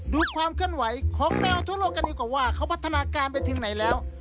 ดูความเคลื่อนไหวของแมวทั่วโลกกันดีกว่าว่าเขาพัฒนาการไปถึงไหนแล้ว